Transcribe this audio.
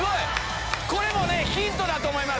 これもヒントだと思います